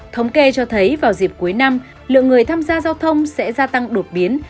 thống kê cho thấy vào dịp cuối năm lượng người tham gia giao thông sẽ gia tăng đột biến